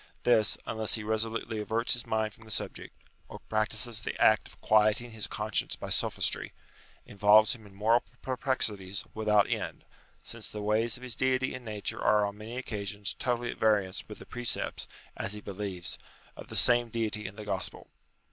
This, unless he resolutely averts his mind from the subject, or practises the act of quieting his conscience by sophistry, involves him in moral perplexities without end ; since the ways of his Deity in Nature are on many occasions totally at variance with the precepts, as he believes, of the same Deity in the Gospel.